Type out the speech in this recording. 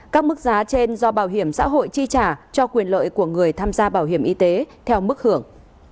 các mức giá trên do bảo hiểm xã hội chi trả cho quyền lợi của người tham gia bảo hiểm y tế theo mức hưởng